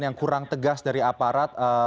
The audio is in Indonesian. yang kurang tegas dari aparat